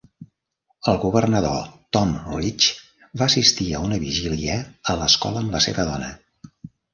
El governador Tom Ridge va assistir a una vigília a l'escola amb la seva dona.